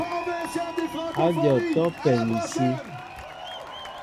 Ádyɔŋ atɔ́' á pɛ ni sí.